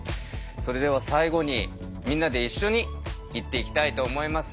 それでは最後にみんなで一緒に言っていきたいと思います。